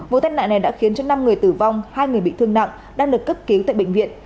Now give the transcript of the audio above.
vụ tai nạn này đã khiến cho năm người tử vong hai người bị thương nặng đang được cấp cứu tại bệnh viện